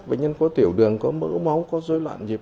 bệnh nhân có tiểu đường có mỡ máu có rối loạn dịp